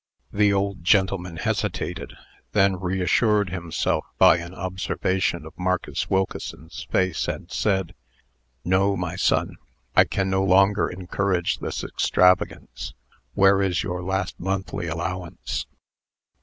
The old gentleman hesitated; then reassured himself by an observation of Marcus Wilkeson's face, and said: "No, my son; I can no longer encourage this extravagance. Where is your last monthly allowance?"